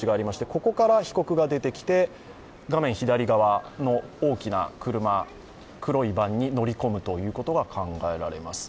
ここから被告が出てきて、画面左側の大きな車、黒いバンに乗り込むということが考えられます。